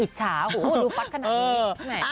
อิจฉาโหดูฟัดขนาดนี้